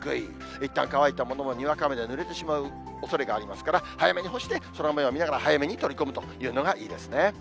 いったん乾いたものも、にわか雨でぬれてしまうおそれがありますから、早めに干して空もよう見ながら、早めに取り込むというのがいいですね。